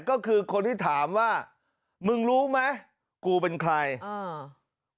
ก็คือคนที่ถามว่ามึงรู้ไหมกูเป็นใครอ่า